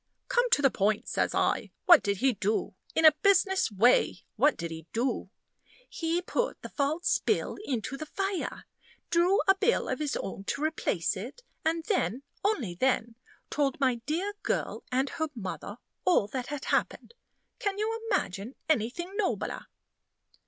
"Come to the point," says I. "What did he do? In a business way, what did he do?" "He put the false bill into the fire, drew a bill of his own to replace it, and then only then told my dear girl and her mother all that had happened. Can you imagine anything nobler?"